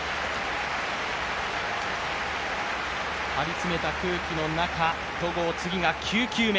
張り詰めた空気の中、戸郷、次が９球目。